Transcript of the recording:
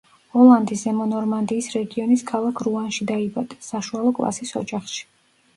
ოლანდი ზემო ნორმანდიის რეგიონის ქალაქ რუანში დაიბადა, საშუალო კლასის ოჯახში.